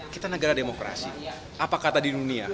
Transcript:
kita negara demokrasi apa kata di dunia